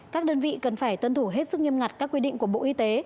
các đơn vị cần phải tuân thủ hết sức nghiêm ngặt các quy định của bộ y tế